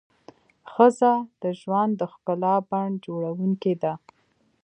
ښځه د ژوند د ښکلا بڼ جوړونکې ده.